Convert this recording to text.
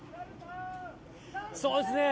そうですね。